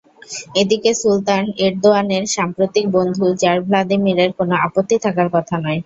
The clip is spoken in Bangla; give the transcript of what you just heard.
এদিকে সুলতান এরদোয়ানের সাম্প্রতিক বন্ধু জার ভ্লাদিমিরের কোনো আপত্তি থাকার কথা নয়।